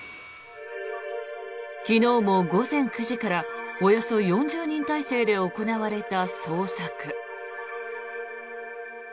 昨日も午前９時からおよそ４０人態勢で行われた捜索。